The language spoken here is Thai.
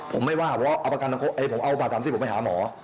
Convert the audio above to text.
ผมไม่ว่าเพราะเองเอาบาดผมไปหาหมอ